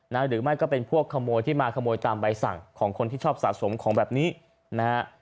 หรือไม่ก็เป็นพวกขโมยที่มาขโมยตามใบสั่งของคนที่ชอบสะสมของแบบนี้นะฮะ